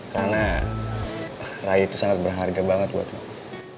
karena raya itu sangat berharga banget buat gue